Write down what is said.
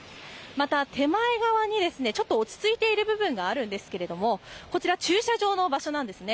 また、手前側にちょっと落ち着いている部分があるんですが、こちら駐車場の場所なんですね。